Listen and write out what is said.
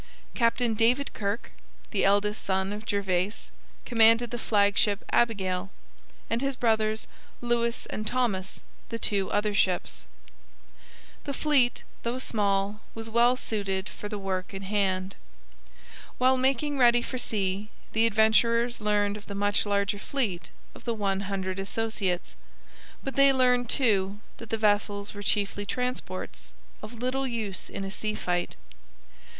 Captain David Kirke, the eldest son of Gervase, commanded the flagship Abigail, and his brothers, Lewis and Thomas, the other two ships. The fleet, though small, was well suited for the work in hand. While making ready for sea the Adventurers learned of the much larger fleet of the One Hundred Associates; but they learned, too, that the vessels were chiefly transports, of little use in a sea fight.